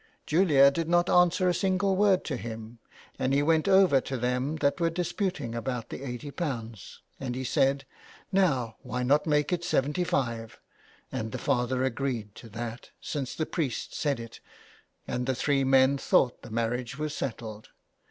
Julia did not answer a single word to him, and he went over to them that were disputing about the ;^8o, and he said, * Now, why not make it £7S>' ^^d the father agreed to that, since the priest said it, and the three men thought the marriage was settled.